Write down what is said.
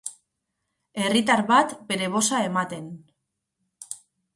Herritar bat bere boza ematen.